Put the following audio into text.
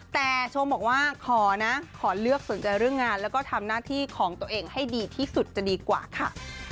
แต่ชมบอกว่าขอนะขอเลือกสนใจเรื่องงานแล้วก็ทำหน้าที่ของตัวเองให้ดีที่สุดจะดีกว่าค่ะ